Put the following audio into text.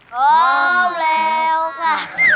พร้อมแล้วค่ะ